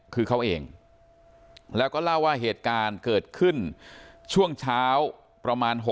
คือเขาเองแล้วก็เล่าว่าเหตุการณ์เกิดขึ้นช่วงเช้าประมาณ